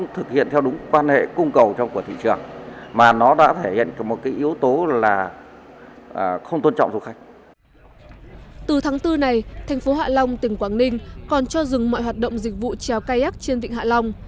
từ tháng bốn này thành phố hạ long tỉnh quảng ninh còn cho dừng mọi hoạt động dịch vụ trèo cai ác trên vịnh hạ long